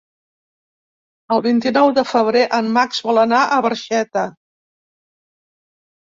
El vint-i-nou de febrer en Max vol anar a Barxeta.